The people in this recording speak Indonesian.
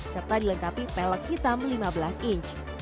serta dilengkapi pelek hitam lima belas inch